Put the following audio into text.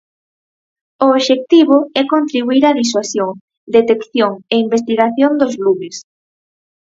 O obxectivo é contribuír á disuasión, detección e investigación dos lumes.